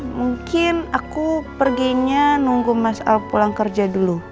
mungkin aku perginya nunggu mas alp pulang kerja dulu